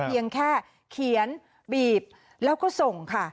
เพียงแค่เขียนบีบแล้วก็ส่งค่ะ